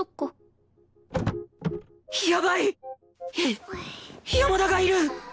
や山田がいる！